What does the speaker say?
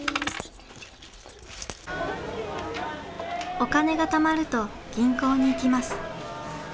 お金が貯まると銀行に行きます。